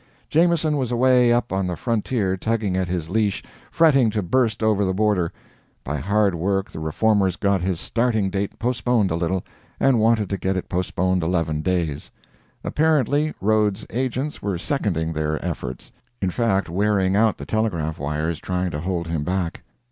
Jameson was away up on the frontier tugging at his leash, fretting to burst over the border. By hard work the Reformers got his starting date postponed a little, and wanted to get it postponed eleven days. Apparently, Rhodes's agents were seconding their efforts in fact wearing out the telegraph wires trying to hold him back.